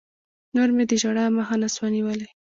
نور مې د ژړا مخه نه سوه نيولى.